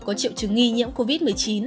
có triệu chứng nghi nhiễm covid một mươi chín